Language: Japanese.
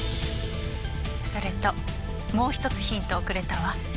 それともう１つヒントをくれたわ。